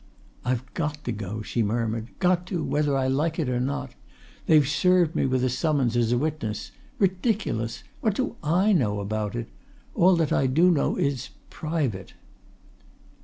"I've got to go!" she murmured. "Got to whether I like it or not! They've served me with a summons, as a witness. Ridiculous! What do I know about it? All that I do know is private."